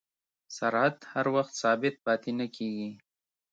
سرعت هر وخت ثابت پاتې نه کېږي.